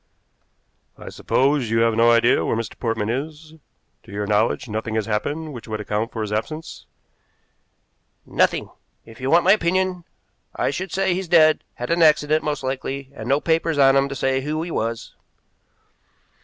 "I suppose you have no idea where Mr. Portman is? To your knowledge nothing has happened which would account for his absence?" "Nothing. If you want my opinion I should say he's dead, had an accident, most likely, and no papers on him to say who he was."